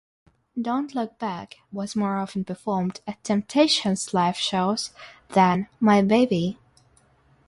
"Don't Look Back" was more often performed at Temptations live shows than "My Baby".